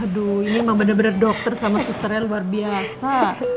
aduh ini emang bener bener dokter sama susternya luar biasa